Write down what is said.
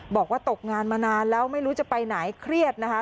บอกว่าตกงานมานานแล้วไม่รู้จะไปไหนเครียดนะคะ